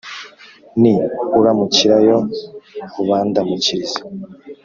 Ni uramukirayo ubandamukirize